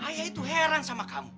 ayah itu heran sama kamu